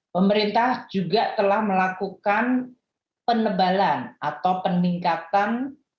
pemerintah juga telah melakukan penebalan atau peningkatan